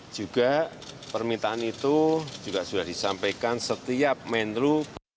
juga permintaan itu juga sudah disampaikan setiap menlu